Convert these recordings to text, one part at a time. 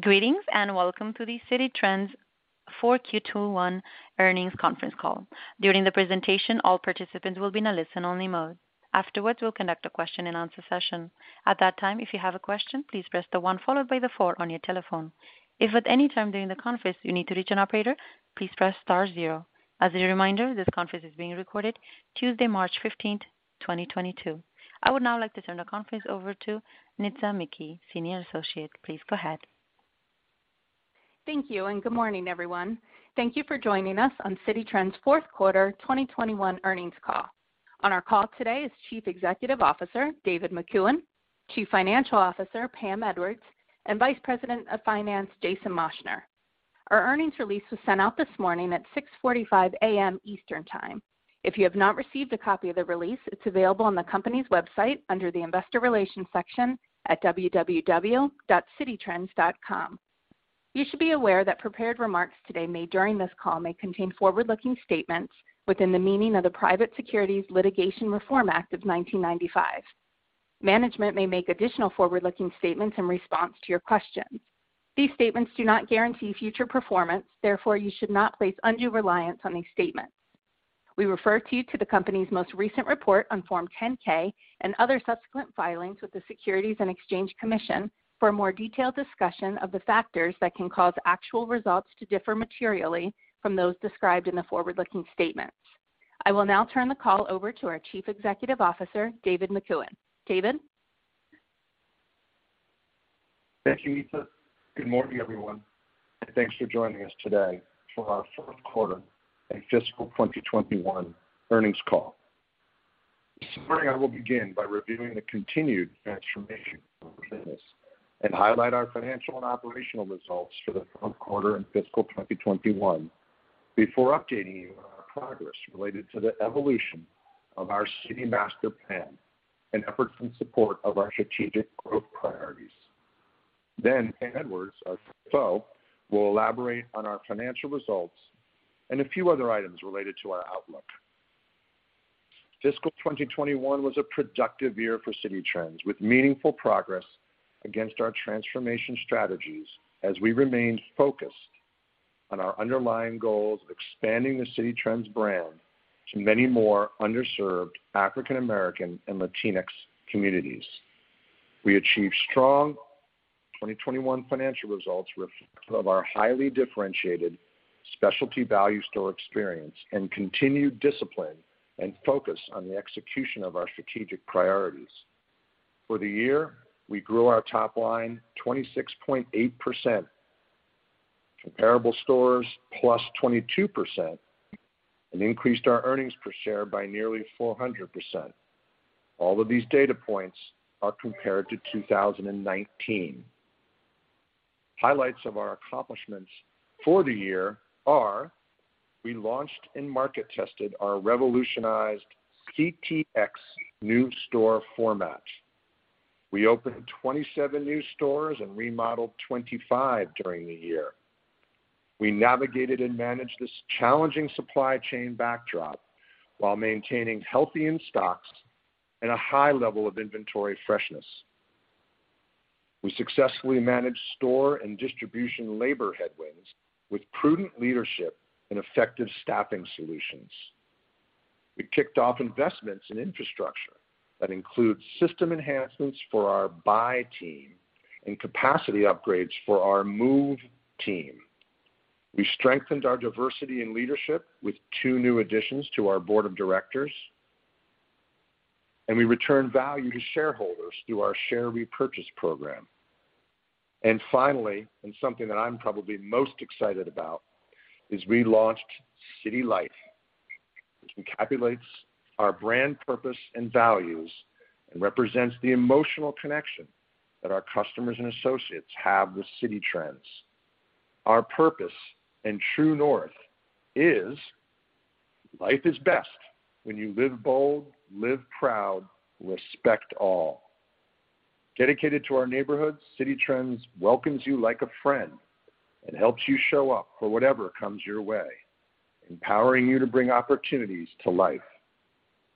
Greetings, and welcome to the Citi Trends Q2 2021 earnings conference call. During the presentation, all participants will be in a listen-only mode. Afterwards, we'll conduct a question-and-answer session. At that time, if you have a question, please press the one followed by the four on your telephone. If at any time during the conference you need to reach an operator, please press star zero. As a reminder, this conference is being recorded Tuesday, March 15th, 2022. I would now like to turn the conference over to Nitza McKee, Senior Associate. Please go ahead. Thank you, and good morning, everyone. Thank you for joining us on Citi Trends' fourth quarter 2021 earnings call. On our call today is Chief Executive Officer David Makuen, Chief Financial Officer Pamela Edwards, and Vice President of Finance Jason Moschner. Our earnings release was sent out this morning at 6:45 A.M. Eastern Time. If you have not received a copy of the release, it's available on the company's website under the Investor Relations section at www.cititrends.com. You should be aware that prepared remarks today made during this call may contain forward-looking statements within the meaning of the Private Securities Litigation Reform Act of 1995. Management may make additional forward-looking statements in response to your questions. These statements do not guarantee future performance, therefore you should not place undue reliance on these statements. We refer to you to the company's most recent report on Form 10-K and other subsequent filings with the Securities and Exchange Commission for a more detailed discussion of the factors that can cause actual results to differ materially from those described in the forward-looking statements. I will now turn the call over to our Chief Executive Officer, David Makuen. David. Thank you, Nitza. Good morning, everyone, and thanks for joining us today for our fourth quarter and fiscal 2021 earnings call. This morning, I will begin by reviewing the continued transformation of our business and highlight our financial and operational results for the fourth quarter in fiscal 2021 before updating you on our progress related to the evolution of our Citi Master Plan and efforts in support of our strategic growth priorities. Then, Pamela Edwards, our CFO, will elaborate on our financial results and a few other items related to our outlook. Fiscal 2021 was a productive year for Citi Trends, with meaningful progress against our transformation strategies as we remained focused on our underlying goals of expanding the Citi Trends brand to many more underserved African American and Latinx communities. We achieved strong 2021 financial results reflective of our highly differentiated specialty value store experience and continued discipline and focus on the execution of our strategic priorities. For the year, we grew our top line 26.8%, comparable stores +22%, and increased our earnings per share by nearly 400%. All of these data points are compared to 2019. Highlights of our accomplishments for the year are, we launched and market tested our revolutionized CTx new store format. We opened 27 new stores and remodeled 25 during the year. We navigated and managed this challenging supply chain backdrop while maintaining healthy in stocks and a high level of inventory freshness. We successfully managed store and distribution labor headwinds with prudent leadership and effective staffing solutions. We kicked off investments in infrastructure that include system enhancements for our buy team and capacity upgrades for our move team. We strengthened our diversity in leadership with two new additions to our board of directors, and we returned value to shareholders through our share repurchase program. Finally, and something that I'm probably most excited about, is we launched Citi Life, which encapsulates our brand, purpose, and values and represents the emotional connection that our customers and associates have with Citi Trends. Our purpose and true north is life is best when you live bold, live proud, respect all. Dedicated to our neighborhoods, Citi Trends welcomes you like a friend and helps you show up for whatever comes your way, empowering you to bring opportunities to life.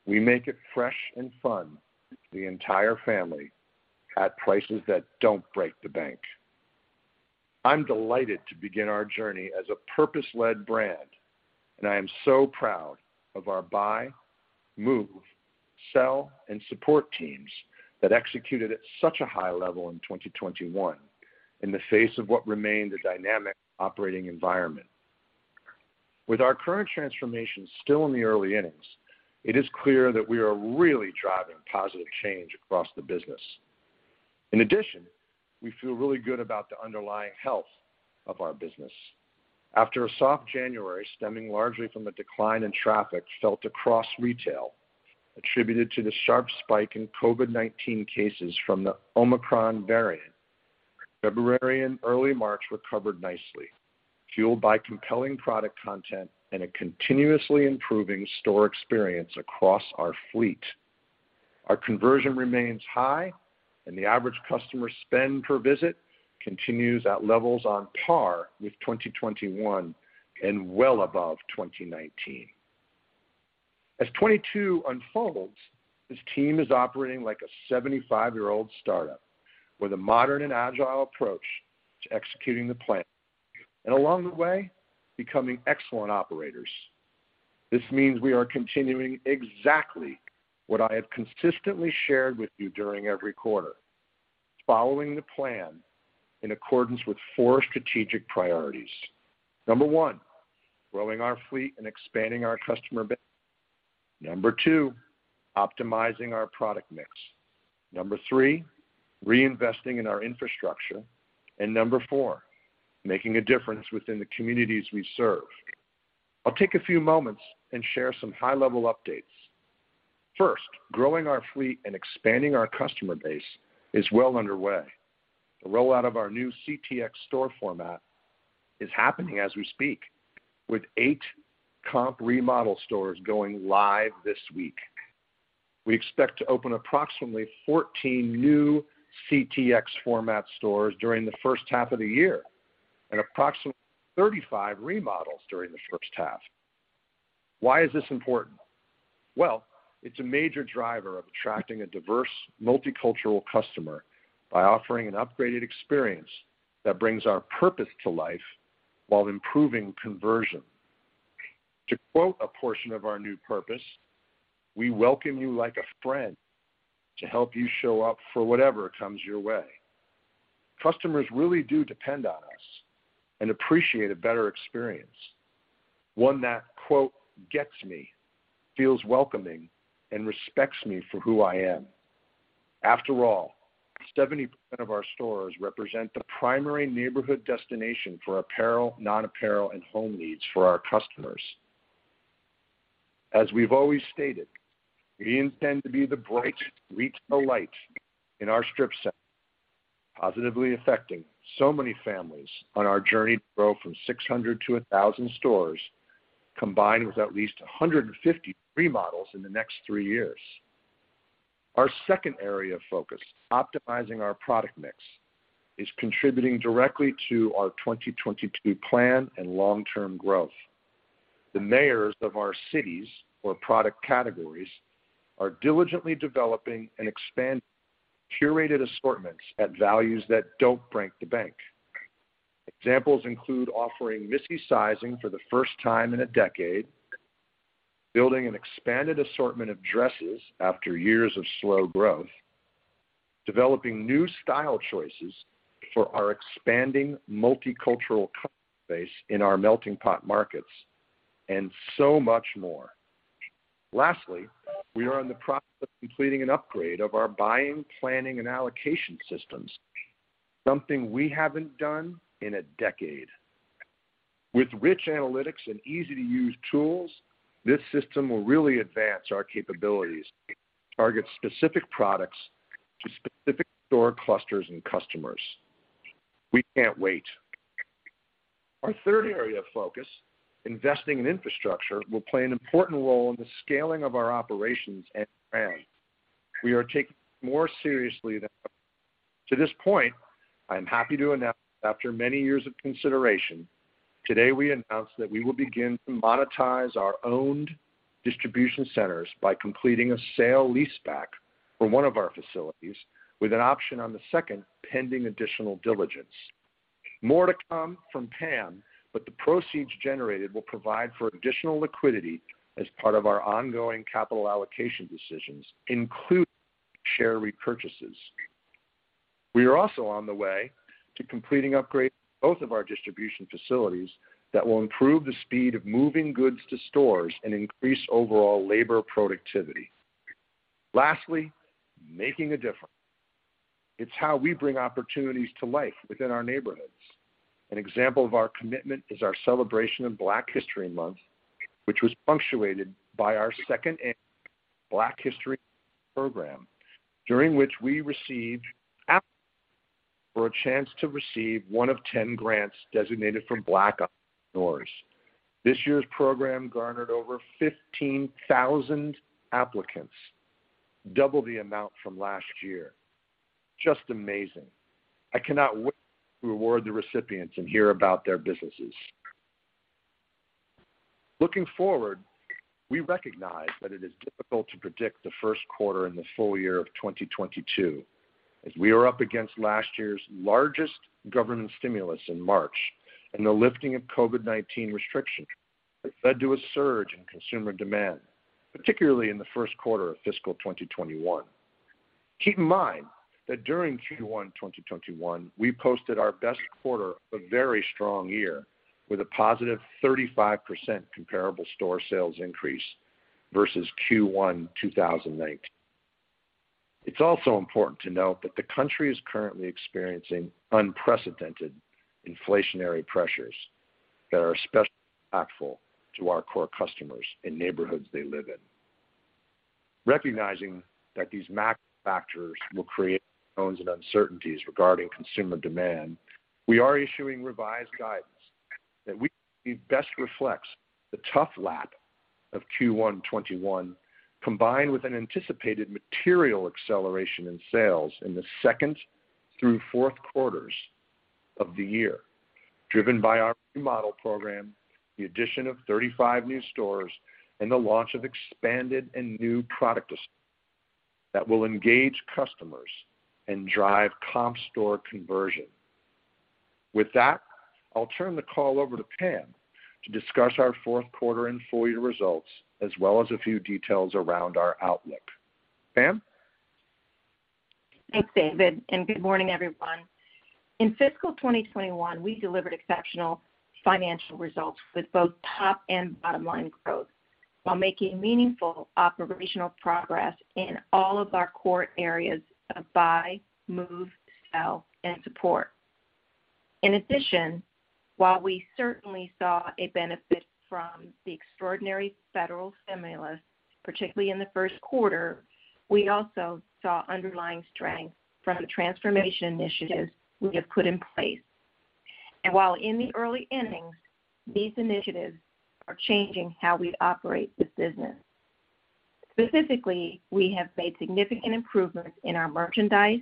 We make it fresh and fun for the entire family at prices that don't break the bank. I'm delighted to begin our journey as a purpose-led brand, and I am so proud of our buy, move, sell, and support teams that executed at such a high level in 2021 in the face of what remained a dynamic operating environment. With our current transformation still in the early innings, it is clear that we are really driving positive change across the business. In addition, we feel really good about the underlying health of our business. After a soft January, stemming largely from a decline in traffic felt across retail, attributed to the sharp spike in COVID-19 cases from the Omicron variant, February and early March recovered nicely, fueled by compelling product content and a continuously improving store experience across our fleet. Our conversion remains high and the average customer spend per visit continues at levels on par with 2021 and well above 2019. As 2022 unfolds, this team is operating like a 75-year-old startup with a modern and agile approach to executing the plan and along the way, becoming excellent operators. This means we are continuing exactly what I have consistently shared with you during every quarter, following the plan in accordance with four strategic priorities. Number one, growing our fleet and expanding our customer base. Number two, optimizing our product mix. Number three, reinvesting in our infrastructure. And number four, making a difference within the communities we serve. I'll take a few moments and share some high-level updates. First, growing our fleet and expanding our customer base is well underway. The rollout of our new CTx store format is happening as we speak, with eight comp remodel stores going live this week. We expect to open approximately 14 new CTx format stores during the first half of the year and approximately 35 remodels during the first half. Why is this important? Well, it's a major driver of attracting a diverse, multicultural customer by offering an upgraded experience that brings our purpose to life while improving conversion. To quote a portion of our new purpose, "We welcome you like a friend to help you show up for whatever comes your way." Customers really do depend on us and appreciate a better experience. One that, quote, "Gets me, feels welcoming, and respects me for who I am." After all, 70% of our stores represent the primary neighborhood destination for apparel, non-apparel, and home needs for our customers. As we've always stated, we intend to be the brightest retail light in our strip center, positively affecting so many families on our journey to grow from 600 to 1,000 stores, combined with at least 150 remodels in the next three years. Our second area of focus, optimizing our product mix, is contributing directly to our 2022 plan and long-term growth. The managers of our product categories are diligently developing and expanding curated assortments at values that don't break the bank. Examples include offering Missy sizing for the first time in a decade, building an expanded assortment of dresses after years of slow growth, developing new style choices for our expanding multicultural customer base in our melting pot markets, and so much more. Lastly, we are in the process of completing an upgrade of our buying, planning, and allocation systems, something we haven't done in a decade. With rich analytics and easy-to-use tools, this system will really advance our capabilities to target specific products to specific store clusters and customers. We can't wait. Our third area of focus, investing in infrastructure, will play an important role in the scaling of our operations and brand. We are taking this more seriously than ever. To this point, I am happy to announce that after many years of consideration, today we announce that we will begin to monetize our owned distribution centers by completing a sale-leaseback for one of our facilities with an option on the second pending additional diligence. More to come from Pam, but the proceeds generated will provide for additional liquidity as part of our ongoing capital allocation decisions, including share repurchases. We are also on the way to completing upgrades to both of our distribution facilities that will improve the speed of moving goods to stores and increase overall labor productivity. Lastly, making a difference, it's how we bring opportunities to life within our neighborhoods. An example of our commitment is our celebration of Black History Month, which was punctuated by our second annual Black History Program, during which we received applications for a chance to receive one of 10 grants designated for Black entrepreneurs. This year's program garnered over 15,000 applicants, double the amount from last year. Just amazing. I cannot wait to reward the recipients and hear about their businesses. Looking forward, we recognize that it is difficult to predict the first quarter and the full year of 2022, as we are up against last year's largest government stimulus in March and the lifting of COVID-19 restrictions that led to a surge in consumer demand, particularly in the first quarter of fiscal 2021. Keep in mind that during Q1 2021, we posted our best quarter of a very strong year with a positive 35% comparable store sales increase versus Q1 2019. It's also important to note that the country is currently experiencing unprecedented inflationary pressures that are especially impactful to our core customers and neighborhoods they live in. Recognizing that these macro factors will create unknowns and uncertainties regarding consumer demand, we are issuing revised guidance that we believe best reflects the tough lap of Q1 2021, combined with an anticipated material acceleration in sales in the second through fourth quarters of the year, driven by our remodel program, the addition of 35 new stores, and the launch of expanded and new product assortments that will engage customers and drive comp store conversion. With that, I'll turn the call over to Pam to discuss our fourth quarter and full year results, as well as a few details around our outlook. Pam? Thanks, David, and good morning, everyone. In fiscal 2021, we delivered exceptional financial results with both top and bottom-line growth while making meaningful operational progress in all of our core areas of buy, move, sell, and support. In addition, while we certainly saw a benefit from the extraordinary federal stimulus, particularly in the first quarter, we also saw underlying strength from the transformation initiatives we have put in place. While in the early innings, these initiatives are changing how we operate this business. Specifically, we have made significant improvements in our merchandise,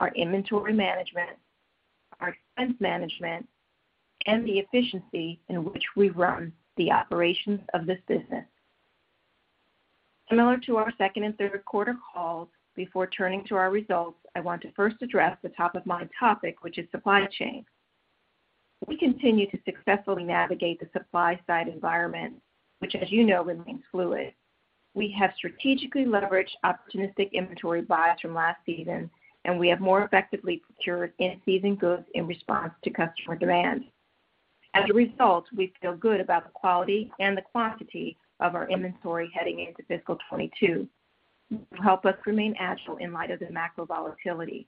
our inventory management, our expense management, and the efficiency in which we run the operations of this business. Similar to our second and third quarter calls, before turning to our results, I want to first address the top-of-mind topic, which is supply chain. We continue to successfully navigate the supply-side environment, which, as you know, remains fluid. We have strategically leveraged opportunistic inventory buys from last season, and we have more effectively procured in-season goods in response to customer demand. As a result, we feel good about the quality and the quantity of our inventory heading into fiscal 2022 to help us remain agile in light of the macro volatility.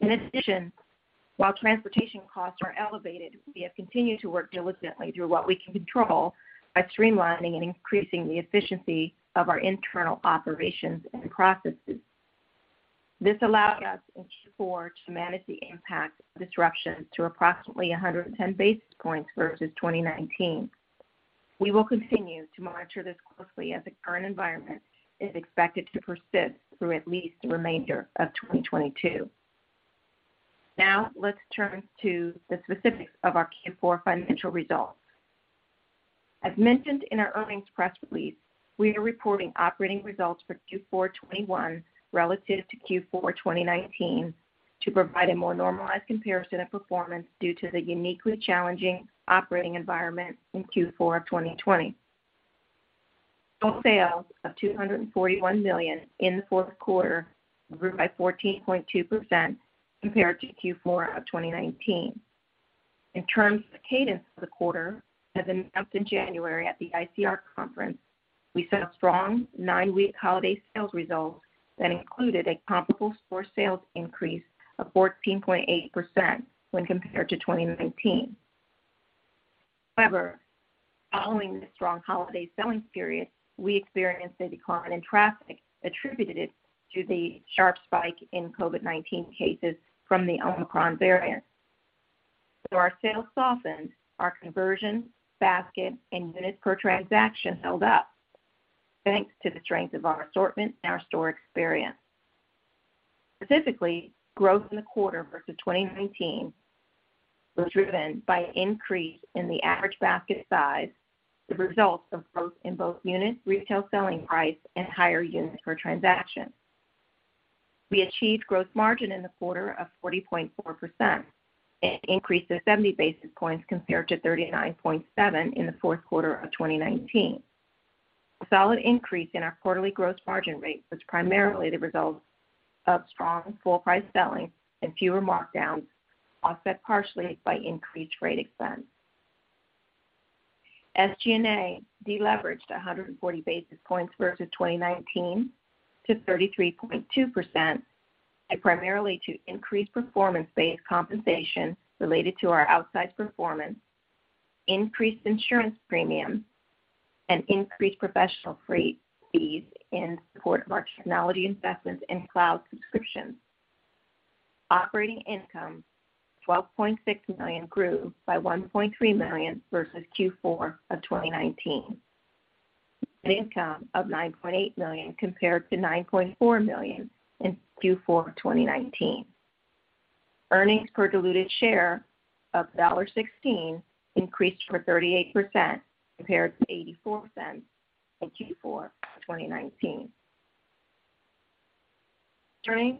In addition, while transportation costs are elevated, we have continued to work diligently through what we can control by streamlining and increasing the efficiency of our internal operations and processes. This allowed us in Q4 to manage the impact of disruption to approximately 110 basis points versus 2019. We will continue to monitor this closely as the current environment is expected to persist through at least the remainder of 2022. Now, let's turn to the specifics of our Q4 financial results. As mentioned in our earnings press release, we are reporting operating results for Q4 2021 relative to Q4 2019 to provide a more normalized comparison of performance due to the uniquely challenging operating environment in Q4 of 2020. Total sales of $241 million in the fourth quarter grew by 14.2% compared to Q4 of 2019. In terms of the cadence of the quarter, as announced in January at the ICR conference, we set a strong nine-week holiday sales result that included a comparable store sales increase of 14.8% when compared to 2019. However, following the strong holiday selling period, we experienced a decline in traffic attributed to the sharp spike in COVID-19 cases from the Omicron variant. Our sales softened, our conversion, basket, and units per transaction held up thanks to the strength of our assortment and our store experience. Specifically, growth in the quarter versus 2019 was driven by an increase in the average basket size, the results of growth in both units, retail selling price, and higher units per transaction. We achieved gross margin in the quarter of 40.4%, an increase of 70 basis points compared to 39.7% in the fourth quarter of 2019. A solid increase in our quarterly gross margin rate was primarily the result of strong full price selling and fewer markdowns, offset partially by increased freight expense. SG&A deleveraged 140 basis points versus 2019 to 33.2%, primarily due to increased performance-based compensation related to our outsized performance, increased insurance premiums, and increased professional fees in support of marginality investments in cloud subscriptions. Operating income, $12.6 million, grew by $1.3 million versus Q4 of 2019. Net income of $9.8 million compared to $9.4 million in Q4 of 2019. Earnings per diluted share of $1.16 increased by 38% compared to $0.84 in Q4 of 2019. Turning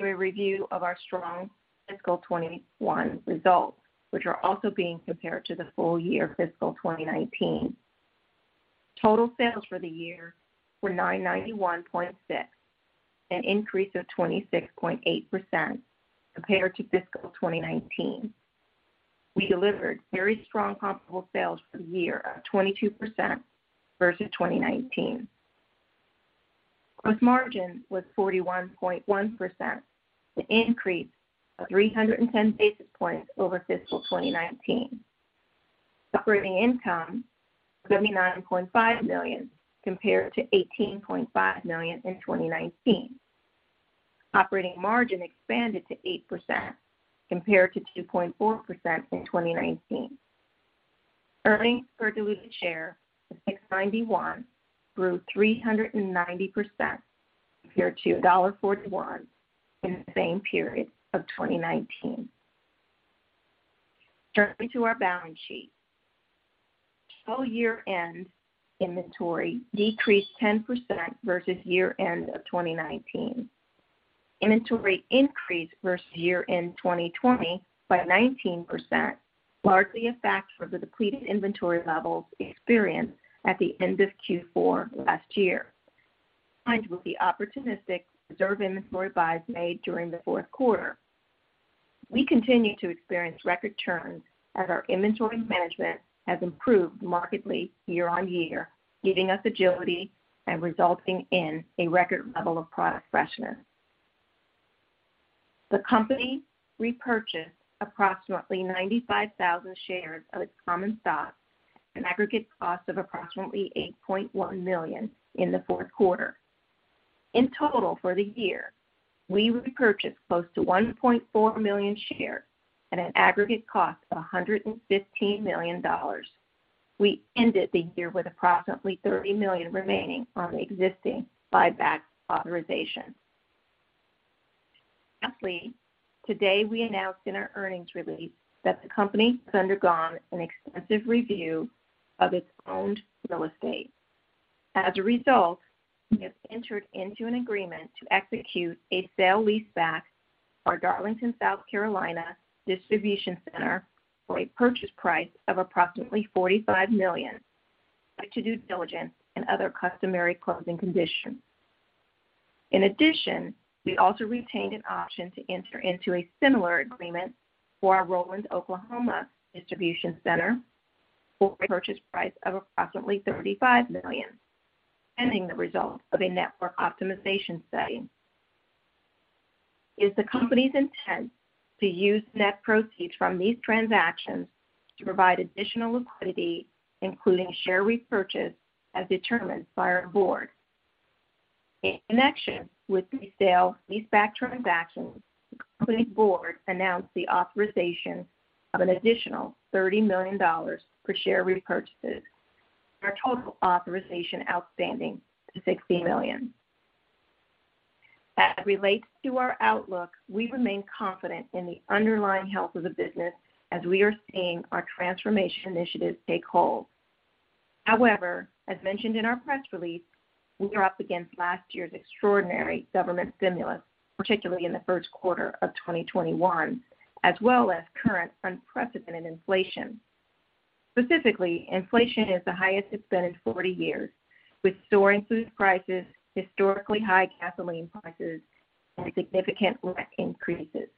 to a review of our strong fiscal 2021 results, which are also being compared to the full year fiscal 2019. Total sales for the year were $991.6 million, an increase of 26.8% compared to fiscal 2019. We delivered very strong comparable sales for the year of 22% versus 2019. Gross margin was 41.1%, an increase of 310 basis points over fiscal 2019. Operating income, $79.5 million compared to $18.5 million in 2019. Operating margin expanded to 8% compared to 2.4% in 2019. Earnings per diluted share of $6.91 grew 390% compared to $1.41 in the same period of 2019. Turning to our balance sheet. Full year-end inventory decreased 10% versus year-end of 2019. Inventory increased versus year-end 2020 by 19%, largely a factor of the depleted inventory levels experienced at the end of Q4 last year, aligned with the opportunistic reserve inventory buys made during the fourth quarter. We continue to experience record churn as our inventory management has improved markedly year-on-year, giving us agility and resulting in a record level of product freshness. The company repurchased approximately 95,000 shares of its common stock at an aggregate cost of approximately $8.1 million in the fourth quarter. In total, for the year, we repurchased close to 1.4 million shares at an aggregate cost of $115 million. We ended the year with approximately $30 million remaining on the existing buyback authorization. Lastly, today, we announced in our earnings release that the company has undergone an extensive review of its owned real estate. As a result, we have entered into an agreement to execute a sale-leaseback for our Darlington, South Carolina distribution center for a purchase price of approximately $45 million, subject to due diligence and other customary closing conditions. In addition, we also retained an option to enter into a similar agreement for our Roland, Oklahoma distribution center for a purchase price of approximately $35 million, pending the results of a network optimization study. It's the company's intent to use net proceeds from these transactions to provide additional liquidity, including share repurchase, as determined by our board. In connection with the sale leaseback transactions, the company's board announced the authorization of an additional $30 million for share repurchases, bringing our total authorization outstanding to $60 million. As it relates to our outlook, we remain confident in the underlying health of the business as we are seeing our transformation initiatives take hold. However, as mentioned in our press release, we are up against last year's extraordinary government stimulus, particularly in the first quarter of 2021, as well as current unprecedented inflation. Specifically, inflation is the highest it's been in 40 years, with soaring food prices, historically high gasoline prices, and significant rent increases.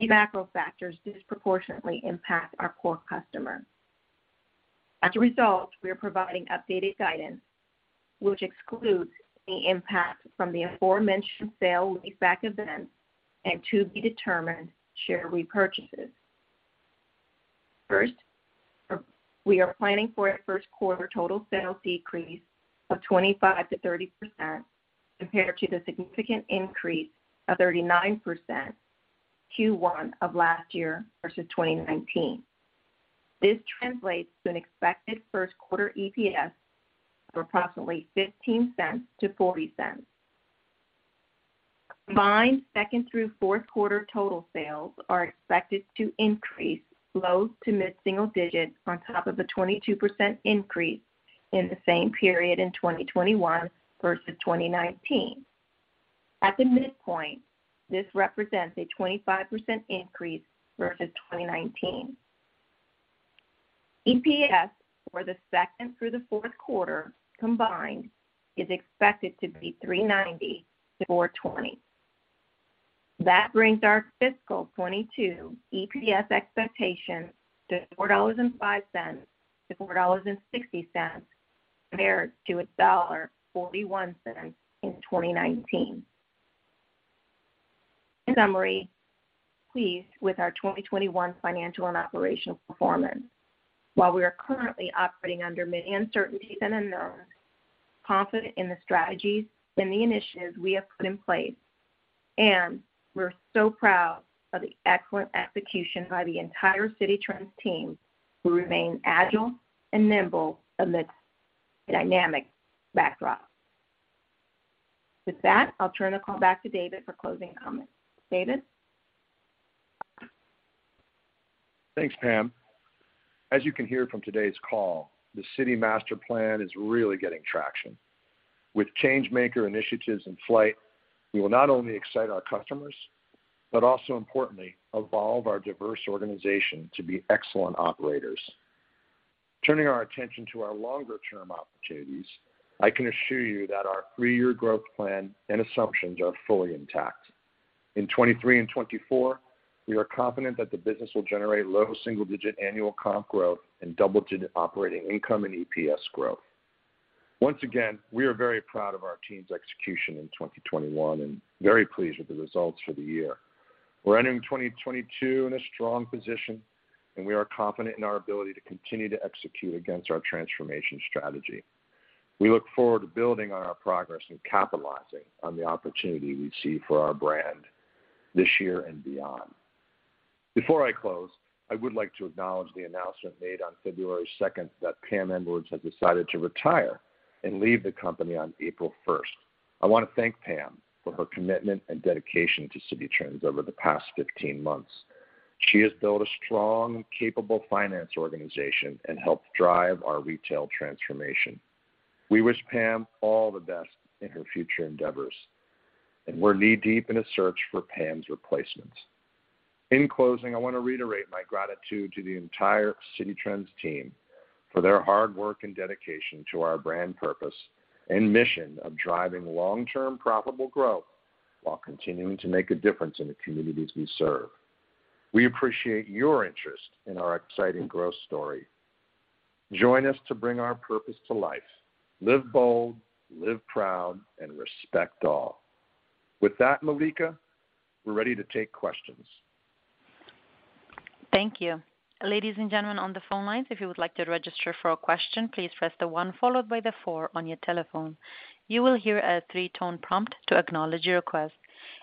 These macro factors disproportionately impact our core customer. As a result, we are providing updated guidance, which excludes the impact from the aforementioned sale leaseback events and to-be-determined share repurchases. First, we are planning for a first quarter total sales decrease of 25%-30% compared to the significant increase of 39% Q1 of last year versus 2019. This translates to an expected first quarter EPS of approximately $0.15-$0.40. Combined second through fourth quarter total sales are expected to increase low- to mid-single-digit on top of the 22% increase in the same period in 2021 versus 2019. At the midpoint, this represents a 25% increase versus 2019. EPS for the second through the fourth quarter combined is expected to be $3.90-$4.20. That brings our fiscal 2022 EPS expectation to $4.05-$4.60 compared to $1.41 in 2019. In summary, we're pleased with our 2021 financial and operational performance. While we are currently operating under many uncertainties and unknowns, we're confident in the strategies and the initiatives we have put in place, and we're so proud of the excellent execution by the entire Citi Trends team, who remain agile and nimble amidst a dynamic backdrop. With that, I'll turn the call back to David for closing comments. David. Thanks, Pam. As you can hear from today's call, the Citi Master Plan is really getting traction. With change maker initiatives in flight, we will not only excite our customers, but also importantly, evolve our diverse organization to be excellent operators. Turning our attention to our longer term opportunities, I can assure you that our three-year growth plan and assumptions are fully intact. In 2023 and 2024, we are confident that the business will generate low single-digit annual comp growth and double-digit operating income and EPS growth. Once again, we are very proud of our team's execution in 2021 and very pleased with the results for the year. We're entering 2022 in a strong position, and we are confident in our ability to continue to execute against our transformation strategy. We look forward to building on our progress and capitalizing on the opportunity we see for our brand. This year and beyond. Before I close, I would like to acknowledge the announcement made on February second that Pam Edwards has decided to retire and leave the company on April first. I wanna thank Pam for her commitment and dedication to Citi Trends over the past 15 months. She has built a strong, capable finance organization and helped drive our retail transformation. We wish Pam all the best in her future endeavors, and we're knee-deep in a search for Pam's replacement. In closing, I wanna reiterate my gratitude to the entire Citi Trends team for their hard work and dedication to our brand purpose and mission of driving long-term profitable growth while continuing to make a difference in the communities we serve. We appreciate your interest in our exciting growth story. Join us to bring our purpose to life, live bold, live proud, and respect all. With that, Malika, we're ready to take questions. Thank you. Ladies and gentlemen on the phone lines, if you would like to register for a question, please press the one followed by the four on your telephone. You will hear a three-tone prompt to acknowledge your request.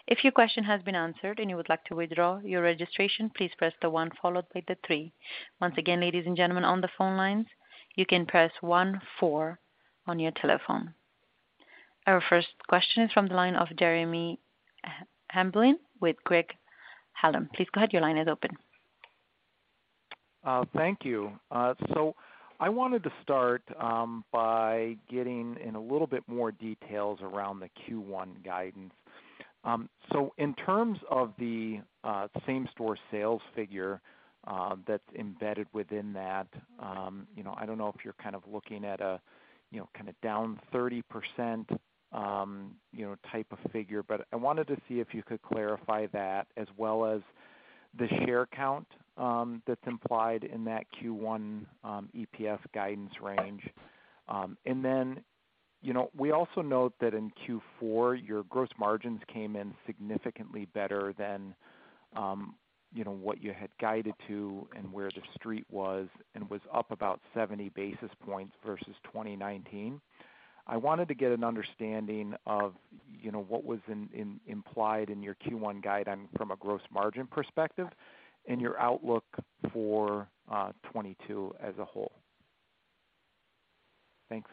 If your question has been answered and you would like to withdraw your registration, please press the one followed by the three. Once again, ladies and gentlemen on the phone lines, you can press one four on your telephone. Our first question is from the line of Jeremy Hamblin with Craig-Hallum. Please go ahead. Your line is open. Thank you. I wanted to start by getting in a little bit more details around the Q1 guidance. In terms of the same-store sales figure that's embedded within that, you know, I don't know if you're kind of looking at a, you know, kinda down 30% type of figure. I wanted to see if you could clarify that as well as the share count that's implied in that Q1 EPS guidance range. Then, you know, we also note that in Q4, your gross margins came in significantly better than, you know, what you had guided to and where the street was and was up about 70 basis points versus 2019. I wanted to get an understanding of, you know, what was in implied in your Q1 guide on, from a gross margin perspective and your outlook for 2022 as a whole. Thanks.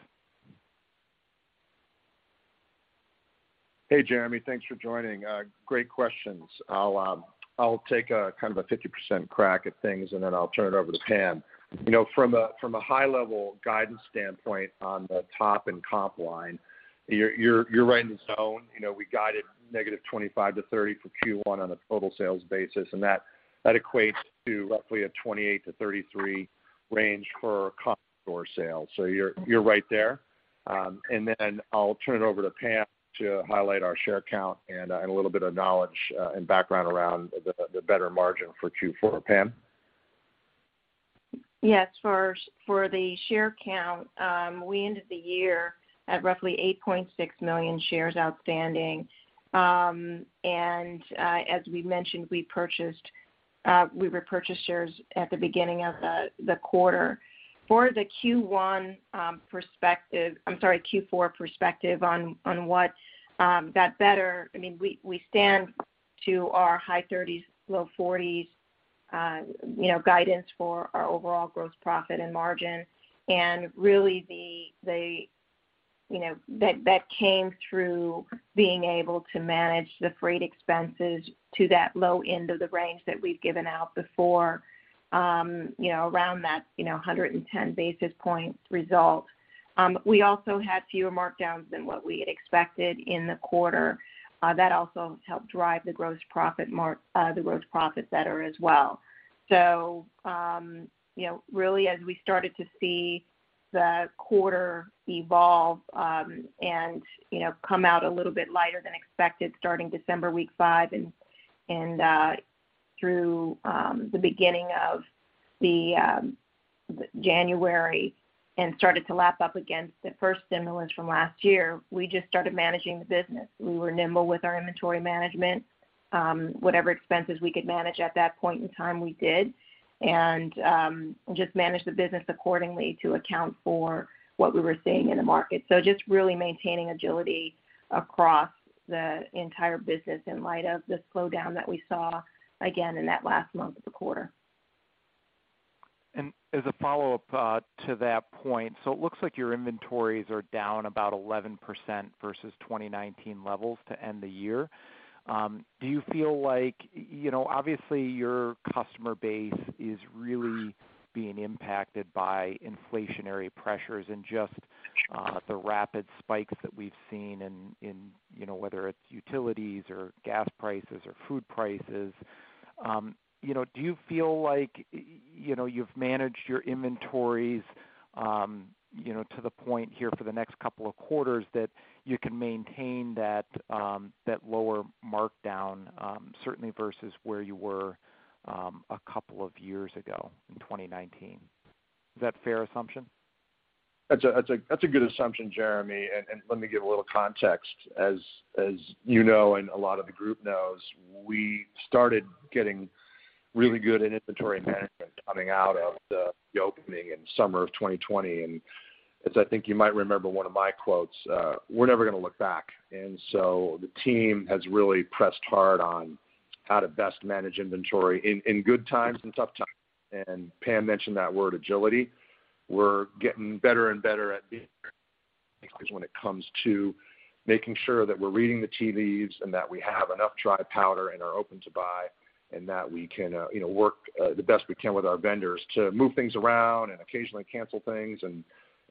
Hey, Jeremy. Thanks for joining. Great questions. I'll take a kind of 50% crack at things, and then I'll turn it over to Pam. You know, from a high level guidance standpoint on the top and comp line, you're right in the zone. You know, we guided -25% to 30% for Q1 on a total sales basis, and that equates to roughly a 28%-33% range for comp store sales. You're right there. Then I'll turn it over to Pam to highlight our share count and a little bit of knowledge and background around the better margin for Q4. Pam? Yes. For the share count, we ended the year at roughly 8.6 million shares outstanding. As we mentioned, we repurchased shares at the beginning of the quarter. For the Q4 perspective, I mean, we stick to our high 30s-low 40s% guidance for our overall gross profit and margin. Really, that came through being able to manage the freight expenses to that low end of the range that we've given out before, around that 110 basis points result. We also had fewer markdowns than what we expected in the quarter. That also helped drive the gross profit better as well. You know, really as we started to see the quarter evolve, and you know, come out a little bit lighter than expected starting December week five and through the beginning of the January and started to lap up against the first stimulus from last year, we just started managing the business. We were nimble with our inventory management. Whatever expenses we could manage at that point in time we did, and just managed the business accordingly to account for what we were seeing in the market. Just really maintaining agility across the entire business in light of the slowdown that we saw again in that last month of the quarter. As a follow-up to that point, it looks like your inventories are down about 11% versus 2019 levels to end the year. Do you feel like you know, obviously, your customer base is really being impacted by inflationary pressures and just the rapid spikes that we've seen in you know, whether it's utilities or gas prices or food prices. Do you feel like you know, you've managed your inventories you know, to the point here for the next couple of quarters that you can maintain that lower markdown certainly versus where you were a couple of years ago in 2019? Is that a fair assumption? That's a good assumption, Jeremy. Let me give a little context. As you know and a lot of the group knows, we started getting really good at inventory management coming out of the opening in summer of 2020. As I think you might remember one of my quotes, we're never gonna look back. The team has really pressed hard on how to best manage inventory in good times and tough times. Pam mentioned that word agility. We're getting better and better at buying when it comes to making sure that we're reading the tea leaves and that we have enough dry powder and are open to buy, and that we can, you know, work the best we can with our vendors to move things around and occasionally cancel things and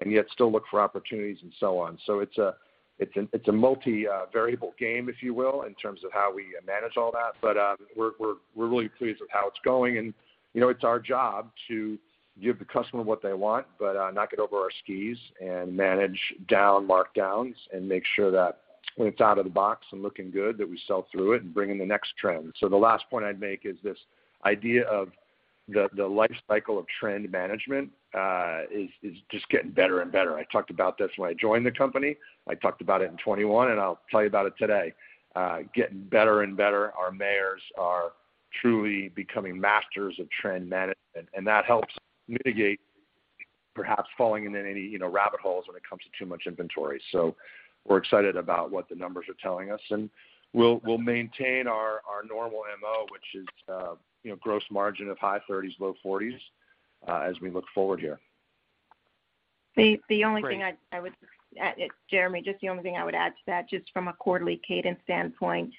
yet still look for opportunities and so on. So it's a multi-variable game, if you will, in terms of how we manage all that. We're really pleased with how it's going and, you know, it's our job to give the customer what they want, but not get over our skis and manage down markdowns and make sure that when it's out of the box and looking good that we sell through it and bring in the next trend. The last point I'd make is this idea of the life cycle of trend management is just getting better and better. I talked about this when I joined the company. I talked about it in 2021, and I'll tell you about it today. Getting better and better. Our merchandisers are truly becoming masters of trend management, and that helps mitigate perhaps falling into any rabbit holes when it comes to too much inventory. We're excited about what the numbers are telling us, and we'll maintain our normal MO, which is gross margin of high 30s%-low 40s% as we look forward here. The only thing I- Great. Jeremy, just the only thing I would add to that, just from a quarterly cadence standpoint,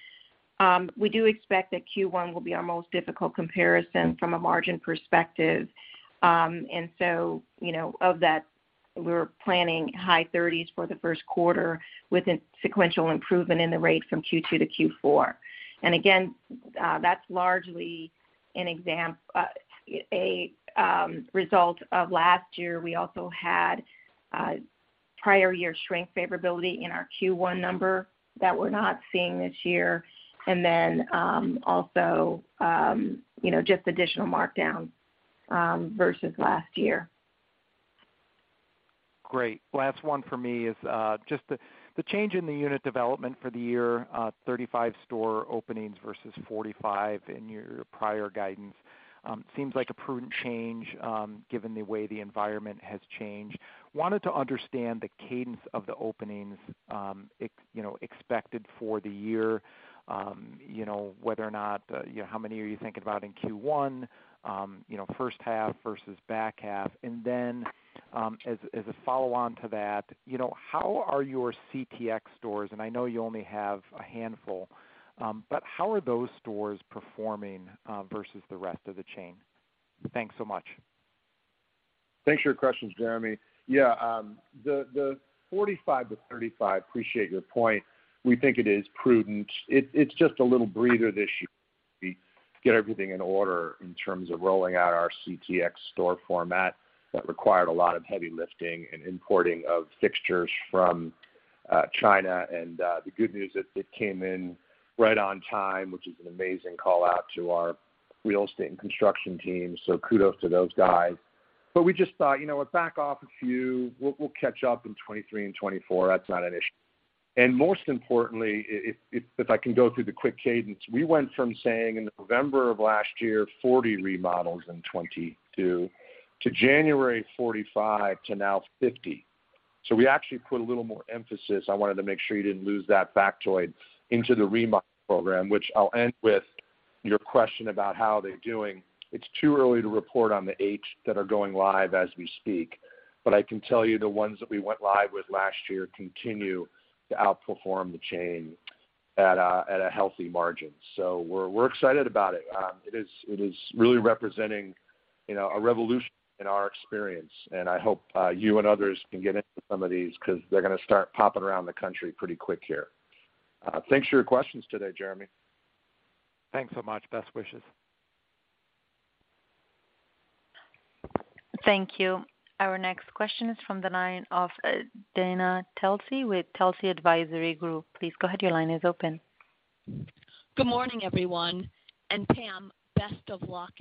we do expect that Q1 will be our most difficult comparison from a margin perspective. You know, of that, we're planning high 30s% for the first quarter with a sequential improvement in the rate from Q2 to Q4. Again, that's largely a result of last year. We also had prior year strength favorability in our Q1 number that we're not seeing this year. Then, also, you know, just additional markdowns versus last year. Great. Last one for me is just the change in the unit development for the year, 35 store openings versus 45 in your prior guidance, seems like a prudent change, given the way the environment has changed. Wanted to understand the cadence of the openings, expected for the year, you know, whether or not, you know, how many are you thinking about in Q1, you know, first half versus back half. As a follow on to that, you know, how are your CTx stores, and I know you only have a handful, but how are those stores performing, versus the rest of the chain? Thanks so much. Thanks for your questions, Jeremy. Yeah, the 45 to 35, appreciate your point. We think it is prudent. It's just a little breather this year as we get everything in order in terms of rolling out our CTx store format that required a lot of heavy lifting and importing of fixtures from China. The good news is it came in right on time, which is an amazing call out to our real estate and construction team. Kudos to those guys. We just thought, you know what? Back off a few. We'll catch up in 2023 and 2024. That's not an issue. Most importantly, if I can go through the quick cadence, we went from saying in November of last year, 40 remodels in 2022, to January 45, to now 50. We actually put a little more emphasis, I wanted to make sure you didn't lose that factoid, into the remodel program, which I'll end with your question about how they're doing. It's too early to report on the CTx that are going live as we speak, but I can tell you the ones that we went live with last year continue to outperform the chain at a healthy margin. We're excited about it. It is really representing, you know, a revolution in our experience, and I hope you and others can get into some of these because they're gonna start popping around the country pretty quick here. Thanks for your questions today, Jeremy. Thanks so much. Best wishes. Thank you. Our next question is from the line of Dana Telsey with Telsey Advisory Group. Please go ahead. Your line is open. Good morning, everyone. Pam, best of luck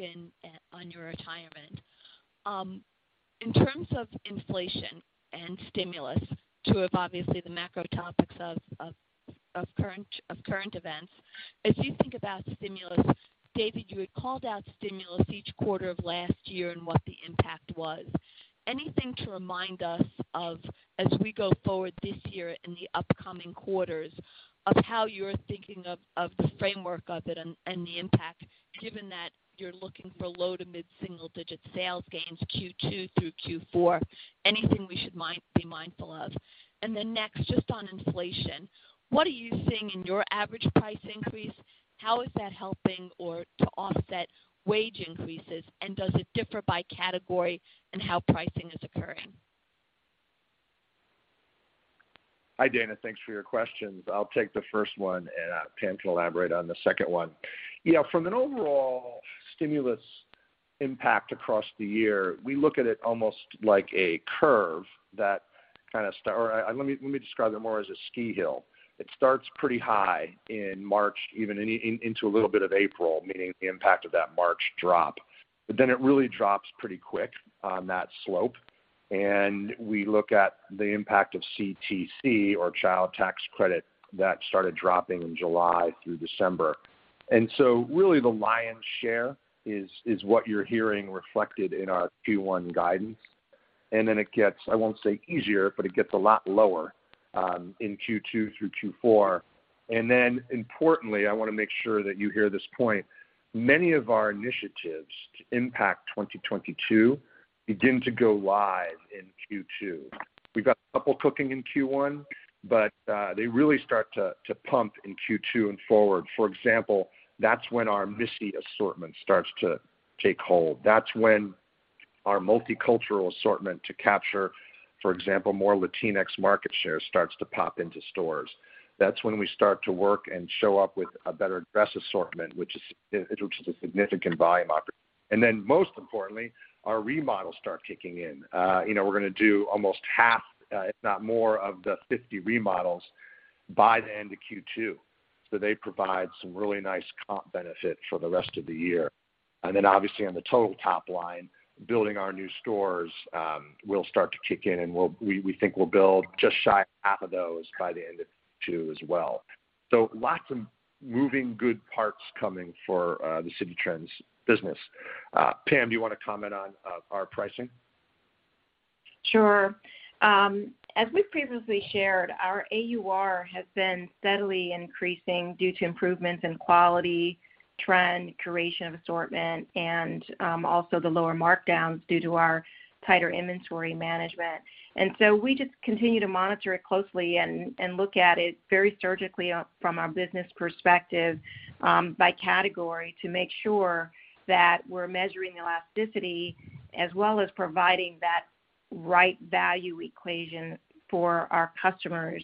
on your retirement. In terms of inflation and stimulus, two obvious macro topics of current events, as you think about stimulus, David, you had called out stimulus each quarter of last year and what the impact was. Anything to remind us of as we go forward this year in the upcoming quarters of how you're thinking of the framework of it and the impact given that you're looking for low- to mid-single-digit sales gains Q2 through Q4? Anything we should be mindful of? Then next, just on inflation, what are you seeing in your average price increase? How is that helping to offset wage increases, and does it differ by category and how pricing is occurring? Hi, Dana. Thanks for your questions. I'll take the first one, and Pam can elaborate on the second one. You know, from an overall stimulus impact across the year, we look at it almost like a curve. Let me describe it more as a ski hill. It starts pretty high in March, even into a little bit of April, meaning the impact of that March drop. It really drops pretty quick on that slope. We look at the impact of CTC or Child Tax Credit that started dropping in July through December. Really the lion's share is what you're hearing reflected in our Q1 guidance. It gets, I won't say easier, but it gets a lot lower in Q2 through Q4. Importantly, I wanna make sure that you hear this point. Many of our initiatives to impact 2022 begin to go live in Q2. We've got a couple cooking in Q1, but they really start to pump in Q2 and forward. For example, that's when our Missy assortment starts to take hold. That's when our multicultural assortment to capture, for example, more Latinx market share starts to pop into stores. That's when we start to work and show up with a better dress assortment, which is a significant volume opportunity. Most importantly, our remodels start kicking in. You know, we're gonna do almost half, if not more of the 50 remodels by the end of Q2. They provide some really nice comp benefit for the rest of the year. Obviously on the total top line, building our new stores will start to kick in, and we think we'll build just shy of half of those by the end of Q2 as well. Lots of moving good parts coming for the Citi Trends business. Pam, do you wanna comment on our pricing? Sure. As we previously shared, our AUR has been steadily increasing due to improvements in quality, trend, curation of assortment, and also the lower markdowns due to our tighter inventory management. We just continue to monitor it closely and look at it very surgically up from our business perspective by category to make sure that we're measuring elasticity as well as providing that right value equation for our customers.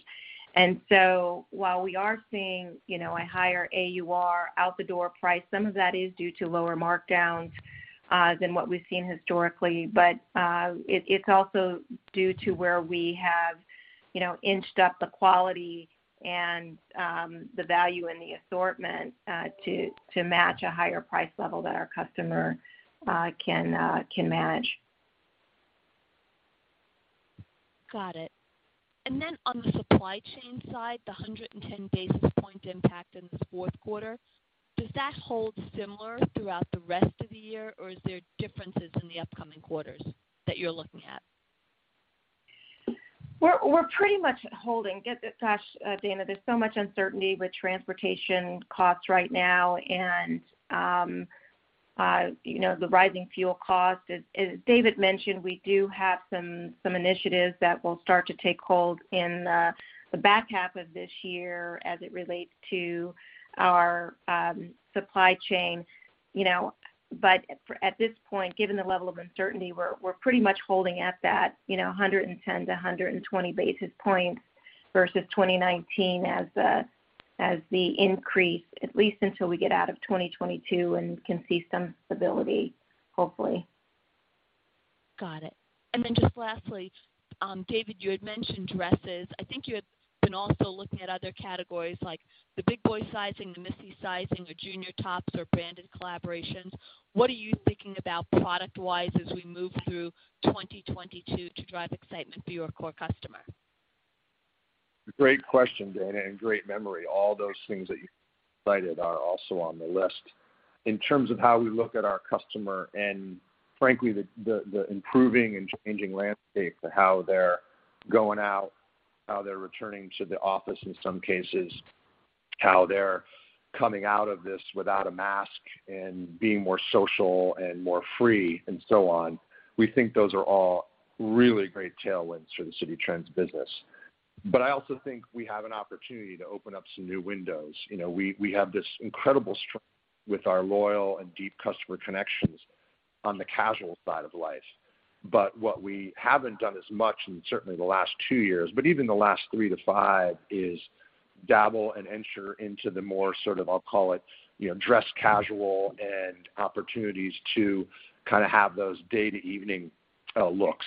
While we are seeing, you know, a higher AUR out the door price, some of that is due to lower markdowns than what we've seen historically. It's also due to where we have, you know, inched up the quality and the value in the assortment to match a higher price level that our customer can manage. Got it. Then on the supply chain side, the 110 basis point impact in the fourth quarter, does that hold similar throughout the rest of the year, or is there differences in the upcoming quarters that you're looking at? We're pretty much holding. Gosh, Dana, there's so much uncertainty with transportation costs right now and, you know, the rising fuel costs. As David mentioned, we do have some initiatives that will start to take hold in the back half of this year as it relates to our supply chain, you know. At this point, given the level of uncertainty, we're pretty much holding at that, you know, 110-120 basis points versus 2019 as the increase, at least until we get out of 2022 and can see some stability, hopefully. Got it. Just lastly, David, you had mentioned dresses. I think you had been also looking at other categories like the big boy sizing, the Missy sizing or junior tops or branded collaborations. What are you thinking about product wise as we move through 2022 to drive excitement for your core customer? Great question, Dana, and great memory. All those things that you cited are also on the list. In terms of how we look at our customer and frankly, the improving and changing landscape to how they're going out, how they're returning to the office in some cases, how they're coming out of this without a mask and being more social and more free and so on, we think those are all really great tailwinds for the Citi Trends business. I also think we have an opportunity to open up some new windows. You know, we have this incredible strength with our loyal and deep customer connections on the casual side of life. What we haven't done as much in certainly the last two years, but even the last three to five, is dabble and enter into the more sort of, I'll call it, you know, dress casual and opportunities to kinda have those day to evening looks.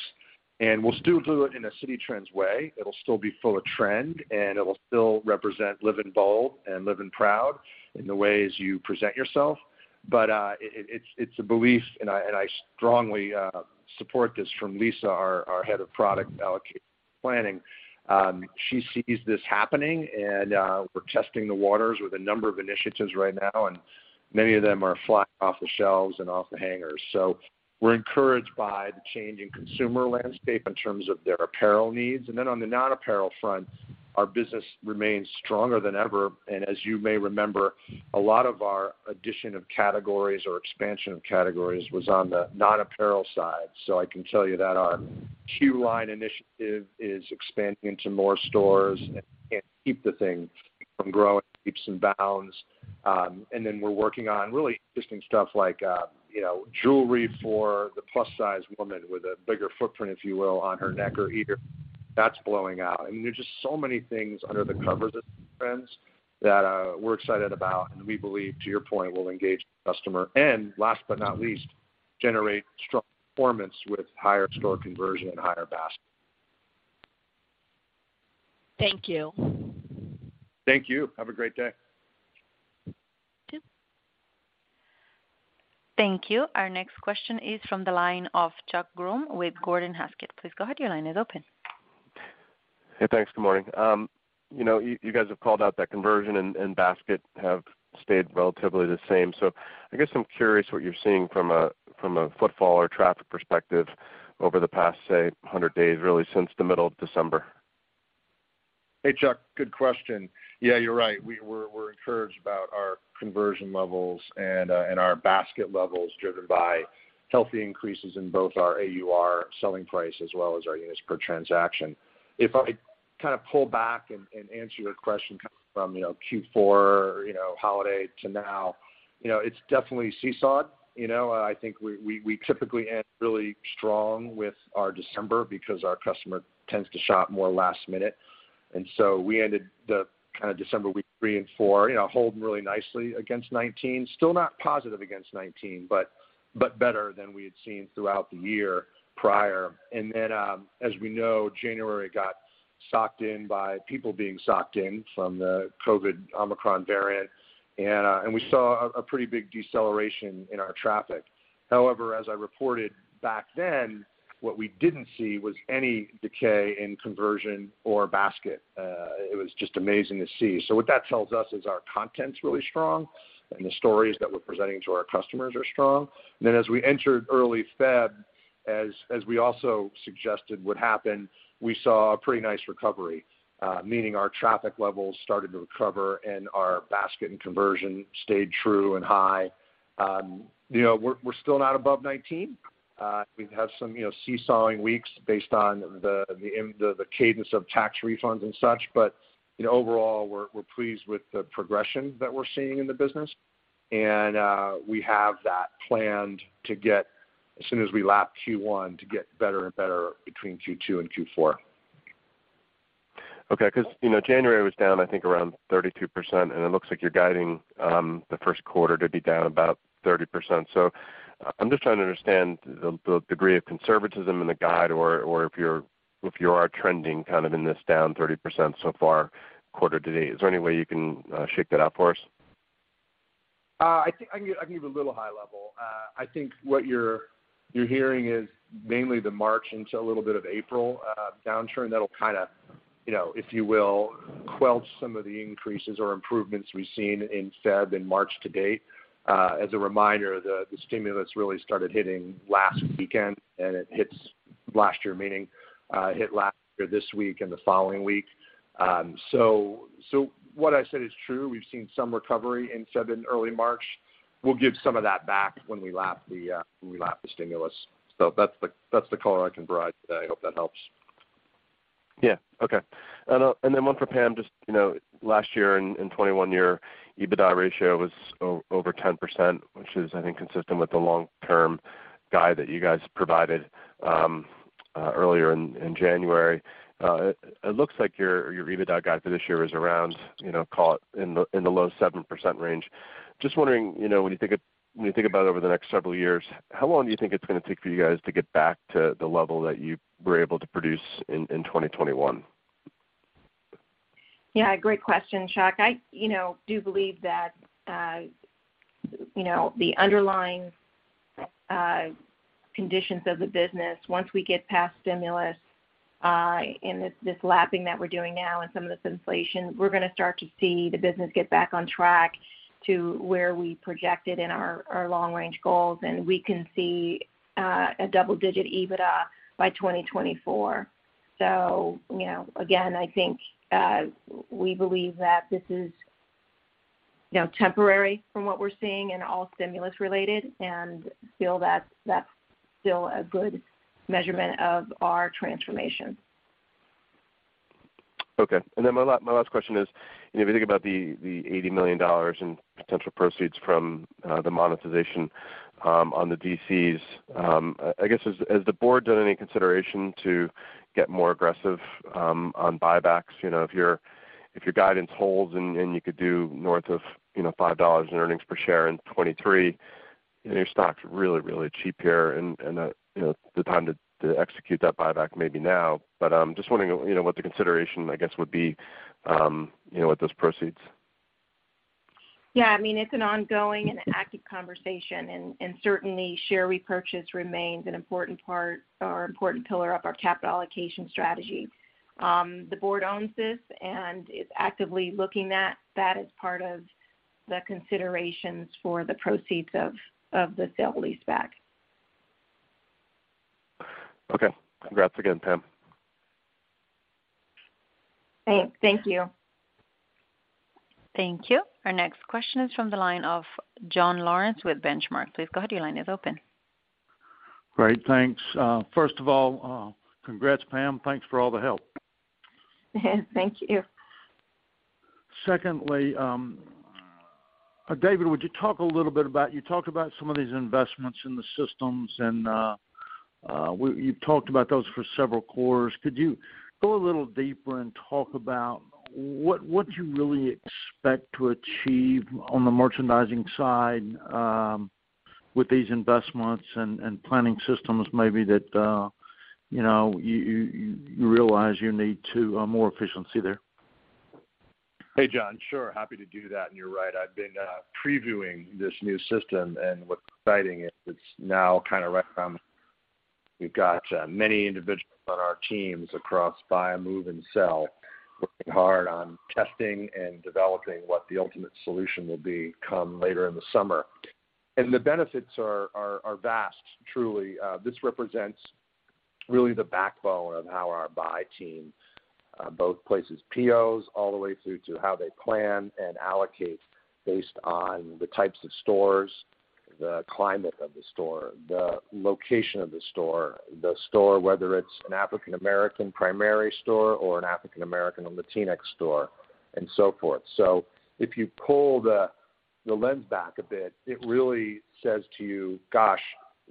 We'll still do it in a Citi Trends way. It'll still be full of trend, and it will still represent living bold and living proud in the ways you present yourself. It's a belief, and I strongly support this from Lisa, our head of product allocation planning. She sees this happening and we're testing the waters with a number of initiatives right now, and many of them are flying off the shelves and off the hangers. We're encouraged by the change in consumer landscape in terms of their apparel needs. On the non-apparel front, our business remains stronger than ever. As you may remember, a lot of our addition of categories or expansion of categories was on the non-apparel side. I can tell you that our Q-line initiative is expanding into more stores and keep things growing by leaps and bounds. We're working on really interesting stuff like, you know, jewelry for the plus-size woman with a bigger footprint, if you will, on her neck or ear. That's blowing out. I mean, there are just so many things under the covers at Citi Trends that we're excited about and we believe, to your point, will engage the customer and last but not least, generate strong performance with higher store conversion and higher basket. Thank you. Thank you. Have a great day. You too. Thank you. Our next question is from the line of Chuck Grom with Gordon Haskett. Please go ahead. Your line is open. Hey, thanks. Good morning. You know, you guys have called out that conversion and basket have stayed relatively the same. I guess I'm curious what you're seeing from a footfall or traffic perspective over the past, say, 100 days, really since the middle of December. Hey, Chuck, good question. Yeah, you're right. We're encouraged about our conversion levels and our basket levels driven by healthy increases in both our AUR selling price as well as our units per transaction. If I kinda pull back and answer your question from, you know, Q4, you know, holiday to now, you know, it's definitely seesawed. You know, I think we typically end really strong with our December because our customer tends to shop more last minute. We ended the kinda December week three and four, you know, holding really nicely against 2019. Still not positive against 2019, but better than we had seen throughout the year prior. Then, as we know, January got socked in by people being socked in from the COVID-19 Omicron variant. We saw a pretty big deceleration in our traffic. However, as I reported back then, what we didn't see was any decay in conversion or basket. It was just amazing to see. What that tells us is our content's really strong, and the stories that we're presenting to our customers are strong. As we entered early February, as we also suggested would happen, we saw a pretty nice recovery, meaning our traffic levels started to recover and our basket and conversion stayed true and high. You know, we're still not above 2019. We've had some you know, seesawing weeks based on the cadence of tax refunds and such. You know, overall, we're pleased with the progression that we're seeing in the business. We have that planned to get, as soon as we lap Q1, to get better and better between Q2 and Q4. Okay, 'cause, you know, January was down, I think, around 32%, and it looks like you're guiding the first quarter to be down about 30%. I'm just trying to understand the degree of conservatism in the guide or if you are trending kind of in this down 30% so far quarter to date. Is there any way you can shake that out for us? I think I can give a little high level. I think what you're hearing is mainly the March into a little bit of April downturn that'll kind of, you know, if you will, quell some of the increases or improvements we've seen in February and March to date. As a reminder, the stimulus really started hitting last weekend, and it hit last year this week and the following week. What I said is true. We've seen some recovery in February and early March. We'll give some of that back when we lap the stimulus. That's the color I can provide today. I hope that helps. Yeah. Okay. Then one for Pam. Just, you know, last year in 2021, EBITDA ratio was over 10%, which is I think consistent with the long-term guide that you guys provided earlier in January. It looks like your EBITDA guide for this year is around, you know, call it in the low 7% range. Just wondering, you know, when you think about over the next several years, how long do you think it's gonna take for you guys to get back to the level that you were able to produce in 2021? Yeah, great question, Chuck. I, you know, do believe that, you know, the underlying conditions of the business, once we get past stimulus and this lapping that we're doing now and some of this inflation, we're gonna start to see the business get back on track to where we projected in our long range goals, and we can see a double-digit EBITDA by 2024. You know, again, I think we believe that this is, you know, temporary from what we're seeing and all stimulus related and feel that's still a good measurement of our transformation. Okay. My last question is, you know, if you think about the $80 million in potential proceeds from the monetization on the DCs, I guess has the board done any consideration to get more aggressive on buybacks? You know, if your guidance holds and you could do north of $5 in earnings per share in 2023, and your stock's really cheap here, and you know, the time to execute that buyback may be now. I'm just wondering, you know, what the consideration, I guess, would be with those proceeds. Yeah, I mean, it's an ongoing and active conversation and certainly share repurchase remains an important part or important pillar of our capital allocation strategy. The board owns this and is actively looking at that as part of the considerations for the proceeds of the sale leaseback. Okay. Congrats again, Pam. Thanks. Thank you. Thank you. Our next question is from the line of John Lawrence with Benchmark. Please go ahead, your line is open. Great. Thanks. First of all, congrats, Pam. Thanks for all the help. Thank you. Secondly, David, would you talk a little bit about you talked about some of these investments in the systems and you've talked about those for several quarters. Could you go a little deeper and talk about what you really expect to achieve on the merchandising side with these investments and planning systems maybe that you know you realize you need to more efficiency there? Hey, John. Sure, happy to do that. You're right, I've been previewing this new system, and what's exciting is it's now kinda right around. We've got many individuals on our teams across buy, move, and sell working hard on testing and developing what the ultimate solution will be come later in the summer. The benefits are vast, truly. This represents really the backbone of how our buy team both places POs all the way through to how they plan and allocate based on the types of stores, the climate of the store, the location of the store, the store, whether it's an African American primary store or an African American or Latinx store, and so forth. If you pull the lens back a bit, it really says to you, "Gosh,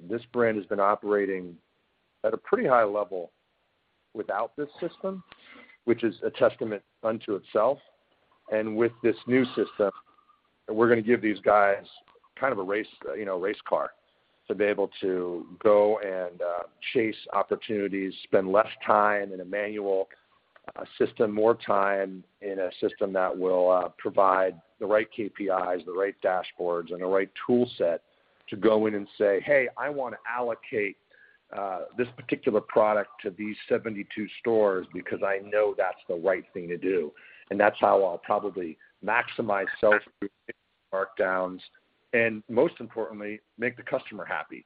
this brand has been operating at a pretty high level without this system," which is a testament unto itself. With this new system, we're gonna give these guys kind of a race, you know, race car to be able to go and chase opportunities, spend less time in a manual system, more time in a system that will provide the right KPIs, the right dashboards, and the right tool set to go in and say, "Hey, I wanna allocate this particular product to these 72 stores because I know that's the right thing to do, and that's how I'll probably maximize sales through markdowns, and most importantly, make the customer happy."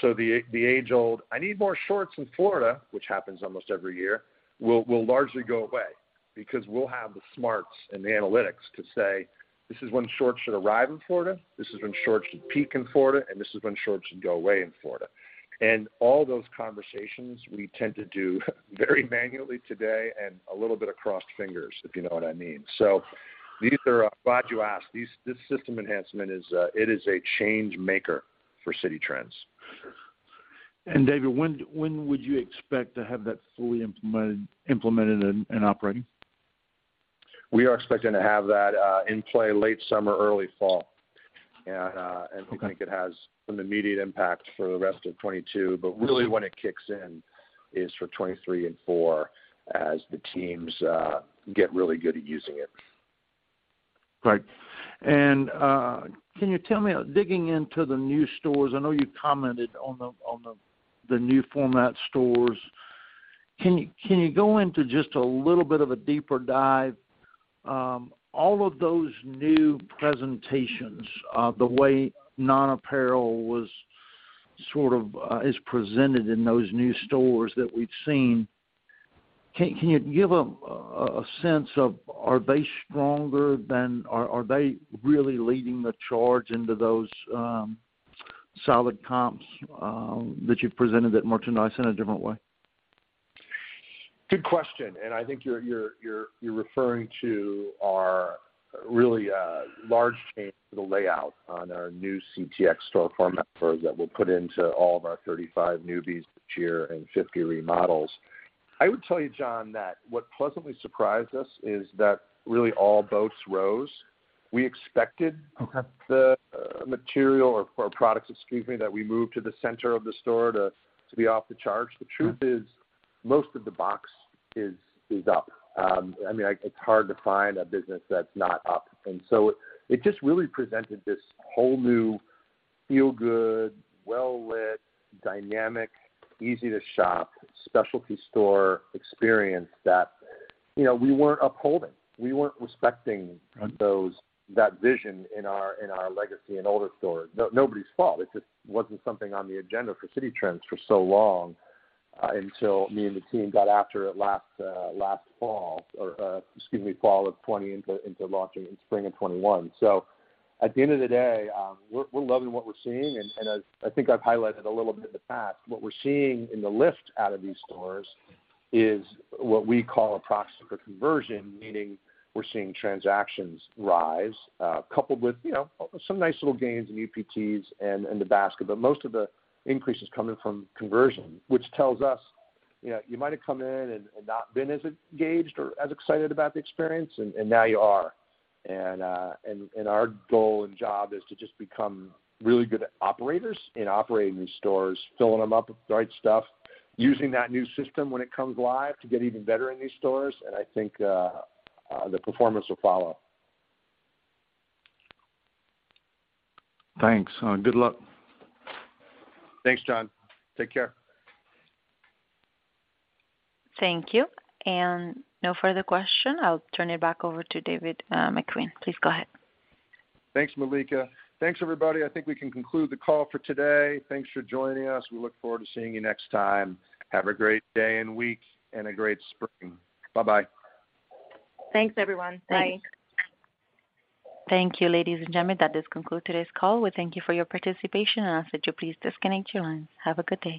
So the age-old, "I need more shorts in Florida," which happens almost every year, will largely go away because we'll have the smarts and the analytics to say, "This is when shorts should arrive in Florida. This is when shorts should peak in Florida, and this is when shorts should go away in Florida." All those conversations we tend to do very manually today and a little bit of crossed fingers, if you know what I mean. Glad you asked. This system enhancement is, it is a change maker for Citi Trends. David, when would you expect to have that fully implemented and operating? We are expecting to have that, in play late summer, early fall. Okay. I think it has an immediate impact for the rest of 2022, but really when it kicks in is for 2023 and 2024 as the teams get really good at using it. Right. Can you tell me, digging into the new stores, I know you commented on the new format stores. Can you go into just a little bit of a deeper dive, all of those new presentations, the way Non-apparel was sort of is presented in those new stores that we've seen, can you give a sense of are they stronger than? Are they really leading the charge into those solid comps, that you've presented that merchandise in a different way? Good question, I think you're referring to our really large change to the layout on our new CTx store format that we'll put into all of our 35 newbies this year and 50 remodels. I would tell you, John, that what pleasantly surprised us is that really all boats rose. We expected- Okay. The material or products, excuse me, that we moved to the center of the store to be off the charts. The truth is, most of the box is up. I mean, it's hard to find a business that's not up. It just really presented this whole new feelgood, well-lit, dynamic, easy-to-shop specialty store experience that, you know, we weren't upholding. We weren't respecting that vision in our legacy and older stores. Nobody's fault. It just wasn't something on the agenda for Citi Trends for so long, until me and the team got after it last fall of 2020 into launching in spring of 2021. At the end of the day, we're loving what we're seeing, and I think I've highlighted a little bit in the past, what we're seeing in the lift out of these stores is what we call a proxy for conversion, meaning we're seeing transactions rise, coupled with, you know, some nice little gains in UPTs and in the basket. But most of the increase is coming from conversion, which tells us, you know, you might have come in and not been as engaged or as excited about the experience, and now you are. Our goal and job is to just become really good operators in operating these stores, filling them up with the right stuff, using that new system when it comes live to get even better in these stores, and I think the performance will follow. Thanks. Good luck. Thanks, John. Take care. Thank you. No further question. I'll turn it back over to David Makuen. Please go ahead. Thanks, Malika. Thanks, everybody. I think we can conclude the call for today. Thanks for joining us. We look forward to seeing you next time. Have a great day and week and a great spring. Bye-bye. Thanks, everyone. Bye. Thank you, ladies and gentlemen. That does conclude today's call. We thank you for your participation, and I'll ask that you please disconnect your lines. Have a good day.